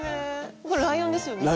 これライオンですよね？